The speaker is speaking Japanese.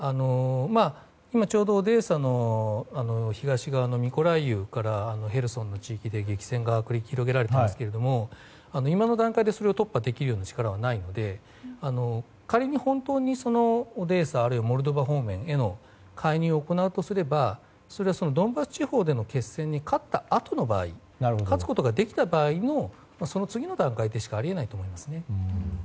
今ちょうどオデーサの東側のミコライウからヘルソンという地域で激戦が繰り広げられていますが今の段階でそれを突破できる力はないので仮に本当にオデーサあるいはモルドバ方面への介入を行うとすればドンバス地方での決戦に勝ったあとの場合勝つことができた場合のその次の段階でしかあり得ないと思いますね。